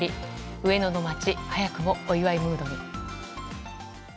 上野の街、早くもお祝いムードに。